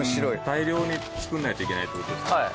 大量に作らないといけないって事ですか？